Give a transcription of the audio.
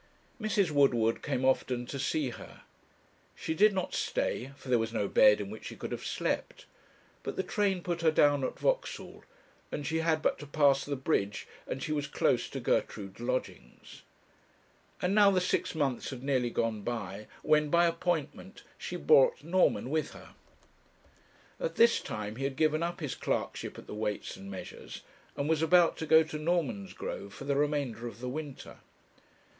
Mrs. Woodward came often to see her. She did not stay, for there was no bed in which she could have slept; but the train put her down at Vauxhall, and she had but to pass the bridge, and she was close to Gertrude's lodgings. And now the six months had nearly gone by, when, by appointment, she brought Norman with her. At this time he had given up his clerkship at the Weights and Measures, and was about to go to Normansgrove for the remainder of the winter.